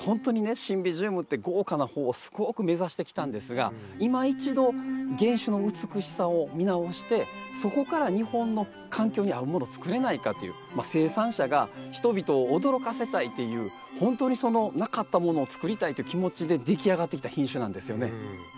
シンビジウムって豪華な方をすごく目指してきたんですがいま一度原種の美しさを見直してそこから日本の環境に合うもの作れないかという生産者が人々を驚かせたいというほんとになかったものを作りたいという気持ちででき上がってきた品種なんですよね。